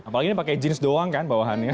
apalagi ini pakai jenis doang kan bawahannya